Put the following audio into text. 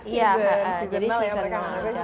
iya jadi seasonal ya